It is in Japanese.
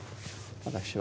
私は。